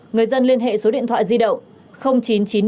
người dân liên hệ số điện thoại di động